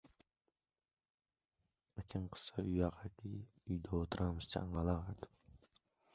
Shvetsariyada Qur’on musobaqasi o‘tkazildi. Bizda-chi?